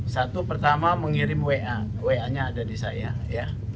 satu pertama mengirim wa wa nya ada di saya ya